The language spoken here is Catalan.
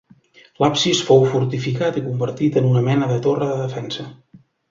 L'absis fou fortificat i convertit en una mena de torre de defensa.